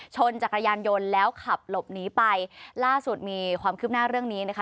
จักรยานยนต์แล้วขับหลบหนีไปล่าสุดมีความคืบหน้าเรื่องนี้นะคะ